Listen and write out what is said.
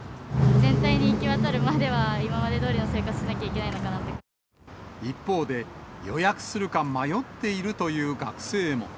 全体に行き渡るまでは、今までどおりの生活をしなきゃいけないの一方で、予約するか迷っているという学生も。